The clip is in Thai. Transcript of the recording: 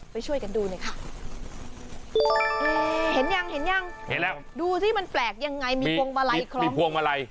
ไปช่วยกันดูหน่อยค่ะเห็นยังเห็นยังเห็นแล้วดูสิมันแปลกยังไงมีพวงมาลัยคลองมีพวงมาลัย